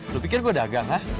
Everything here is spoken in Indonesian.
lu pikir gue dagang hah